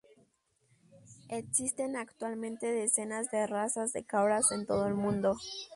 Existen actualmente decenas de razas de cabras en todo el mundo.